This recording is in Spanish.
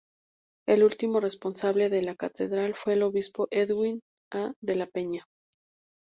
El último responsable de la catedral fue el obispo Edwin A. de la Peña.